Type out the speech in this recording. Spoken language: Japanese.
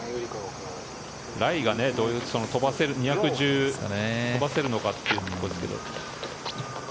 ライが２１０飛ばせるのかというところですけど。